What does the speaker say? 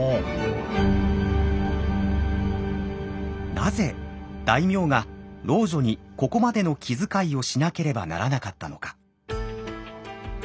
なぜ大名が老女にここまでの気遣いをしなければならなかったのか。